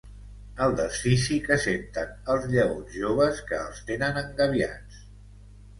El desfici que senten els lleons joves que els tenen engabiats